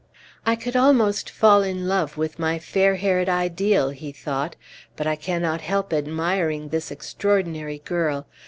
"I could almost fall in love with my fair haired ideal," he thought, "but I can not help admiring this extraordinary girl.